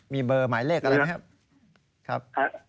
มีเบอร์หมายเลขอะไรไหมครับ